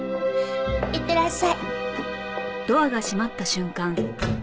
いってらっしゃい。